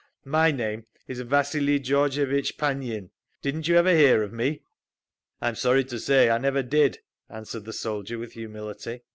My name is Vasili Georgevitch Panyin. Didn't you ever hear of me?" "I'm sorry to say I never did," answered the soldier with humility.